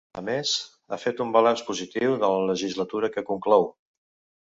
A més, ha fet un balanç positiu de la legislatura que conclou.